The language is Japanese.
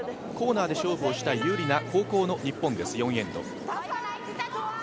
コーナーで勝負をしたい有利な後攻・日本です、４エンド。